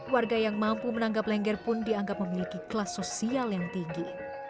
warga yang mampu menanggap lengger pun dianggap memiliki kelas sosial yang tinggi